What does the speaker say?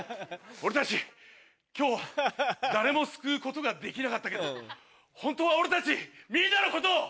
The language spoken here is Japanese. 俺たち今日誰も救うことができなかったけどホントは俺たちみんなのことを。